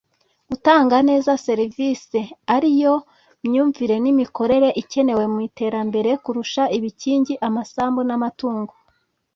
gutanga neza serivisi ari yo myumvire n'imikorere ikenewe mu iterambere kurusha ibikingi, amasambu, n'amatungo